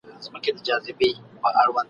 په سل ګونو یې وه کړي سفرونه !.